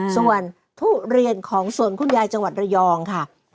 ส่วนทุเรียนของสวนคุณยายจังหวัดระยองค่ะ